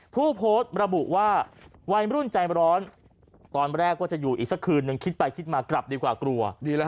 ผู้โพสต์ระบุว่าวัยรุ่นใจร้อนตอนแรกว่าจะอยู่อีกสักคืนนึงคิดไปคิดมากลับดีกว่ากลัว